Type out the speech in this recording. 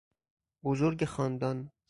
بزرگ خاندان